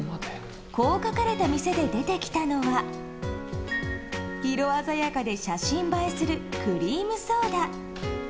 こう書かれた店で出てきたのは色鮮やかで写真映えするクリームソーダ。